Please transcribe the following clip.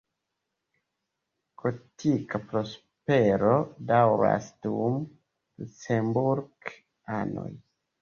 Gotika prospero daŭras dum Lucemburk-anoj.